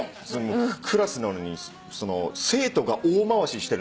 クラスなのに生徒が大回ししてる。